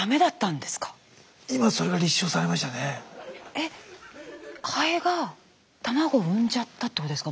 えっハエが卵を産んじゃったってことですか？